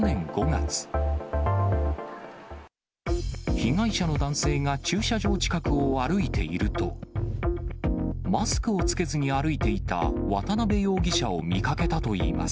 被害者の男性が駐車場近くを歩いていると、マスクを着けずに歩いていた渡辺容疑者を見かけたといいます。